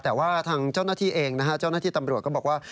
แต่ว่าทางเจ้าหน้าที่เองนะฮะเจ้าหน้าที่ตำรวจก็บอกว่า